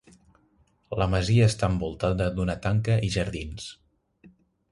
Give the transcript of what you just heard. La masia està envoltada d'una tanca i jardins.